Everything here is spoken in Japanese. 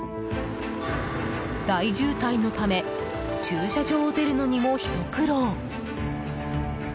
大渋滞のため駐車場を出るのにもひと苦労。